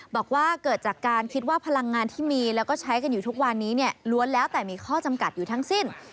บอกว่าเกิดจากการคิดว่าพลังงานที่มีแล้วก็ใช้กันอยู่ทุกวันนี้เนี่ยล้วนแล้วแต่มีข้อจำกัดอยู่ทั้งสิ้น